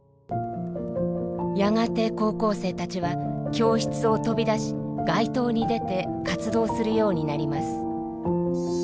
やがて高校生たちは教室を飛び出し街頭に出て活動するようになります。